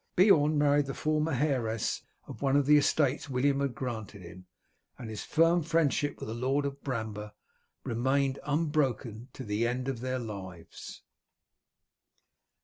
Beorn married the former heiress of one of the estates William had granted him, and his firm friendship with the Lord of Bramber remained unbroken to the end of their lives.